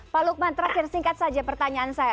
pak lukman terakhir singkat saja pertanyaan saya